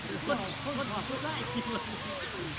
เออหักหลังหักหลัง